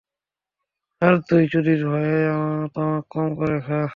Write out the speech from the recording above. আর তুই চুদির ভাই, তামাক কম করে খা!